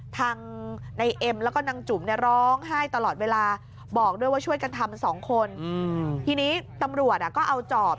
ทางในเอ็มแล้วก็นางจุ๋มเนี่ยร้องไห้ตลอดเวลาบอกด้วยว่าช่วยกันทำสองคนทีนี้ตำรวจก็เอาจอบ